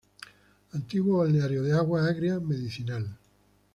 Antiguo balneario de agua agria medicinal.